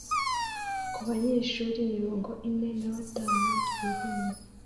ku banyeshuri mirongo ine na batanu twigana.